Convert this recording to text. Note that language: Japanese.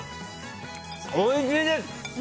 おいしいです。